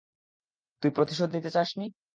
তুই প্রতিশোধ নিতে চাসনি?